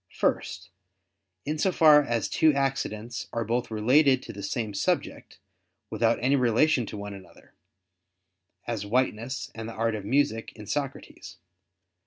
First, in so far as two accidents are both related to the same subject, without any relation to one another; as whiteness and the art of music in Socrates.